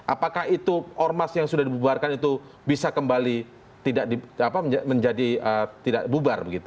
apakah itu ormas yang sudah dibubarkan itu bisa kembali menjadi tidak bubar begitu